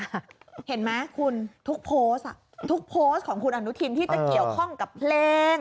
คุณเห็นไหมทุกโพสต์ของคุณอนุทินที่จะเกี่ยวข้องกับเพลง